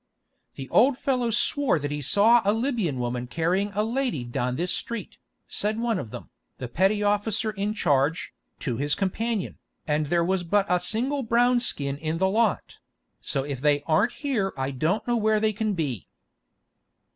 "The old fellow swore that he saw a Libyan woman carrying a lady down this street," said one of them, the petty officer in charge, to his companion, "and there was but a single brown skin in the lot; so if they aren't here I don't know where they can be."